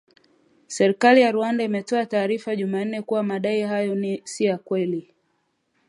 Serikali ya Rwanda, imetoa taarifa jumanne, kuwa madai hayo “si ya kweli”